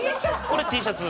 これＴシャツ。